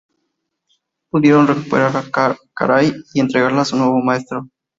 Pudieron recuperar a Karai y entregarla a su nuevo maestro.